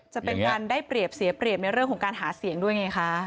จะเป็นการได้เปรียบเสียเปรียบในเรื่องของการหาเสียงด้วยไงคะ